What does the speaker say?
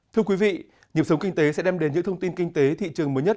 thưa quý vị nhiệm sống kinh tế sẽ đem đến những thông tin kinh tế thị trường mới nhất